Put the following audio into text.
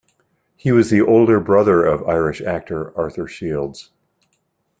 He was the older brother of Irish actor Arthur Shields.